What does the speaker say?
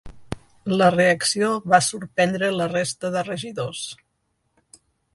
La reacció va sorprendre la resta de regidors.